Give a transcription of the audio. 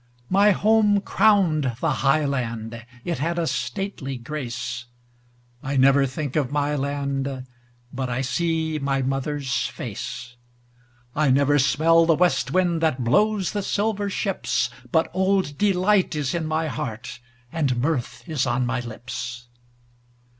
My home crowned the high land; it had a stately grace.I never think of my land but I see my mother's face;I never smell the west wind that blows the silver shipsBut old delight is in my heart and mirth is on my lips.